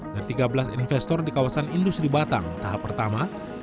dari tiga belas investor di kawasan industri batang tahap pertama